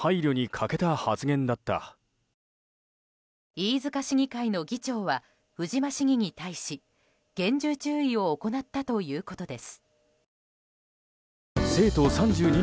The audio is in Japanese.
飯塚市議会の議長は藤間市議に対し厳重注意を行ったということです。